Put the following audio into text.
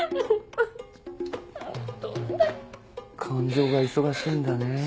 感情が忙しいんだね。